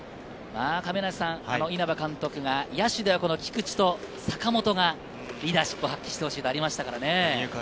稲葉監督が野手では菊池と坂本がリーダーシップを発揮してほしいと言っていましたね。